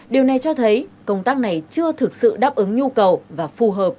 điều này cho thấy công tác này chưa thực sự đáp ứng nhu cầu và phù hợp